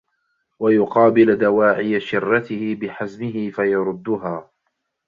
وَيُقَابِلَ دَوَاعِيَ شِرَّتِهِ بِحَزْمِهِ فَيَرُدُّهَا